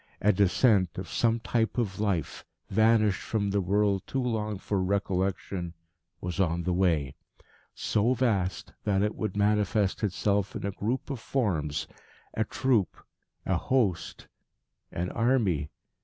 A descent of some type of life, vanished from the world too long for recollection, was on the way, so vast that it would manifest itself in a group of forms, a troop, a host, an army.